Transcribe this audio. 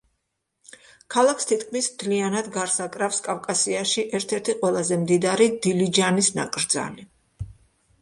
ქალაქს თითქმის მთლიანად გარს აკრავს კავკასიაში ერთ-ერთი ყველაზე მდიდარი დილიჯანის ნაკრძალი.